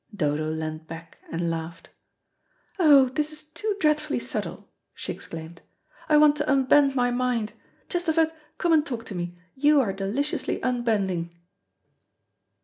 Dodo leaned back and laughed. "Oh, this is too dreadfully subtle," she exclaimed. "I want to unbend my mind. Chesterford, come and talk to me, you are deliciously unbending."